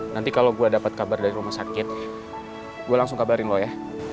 nanti kalau gue dapat kabar dari rumah sakit gue langsung kabarin lo ya